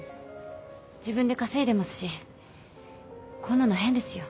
自分で稼いでますしこんなの変ですよ。